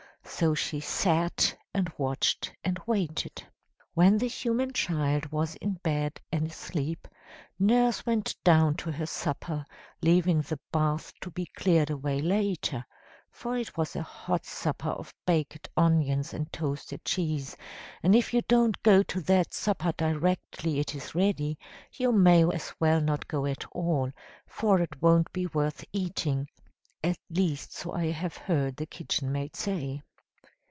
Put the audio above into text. So she sat, and watched, and waited. "When the human child was in bed and asleep, Nurse went down to her supper, leaving the bath to be cleared away later, for it was a hot supper of baked onions and toasted cheese, and if you don't go to that supper directly it is ready, you may as well not go at all, for it won't be worth eating at least so I have heard the kitchenmaid say.